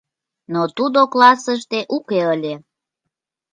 Но тудо классыште уке ыле.